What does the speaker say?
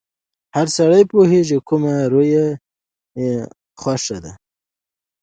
هر سړی پوهېږي کومه رويه يې خوښه ده.